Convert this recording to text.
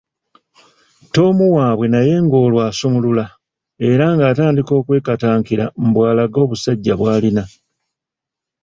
Tom waabwe naye ng'olwo asumulula" era ng'atandika kwekatankira mbu alage "obusajja" bw’alina.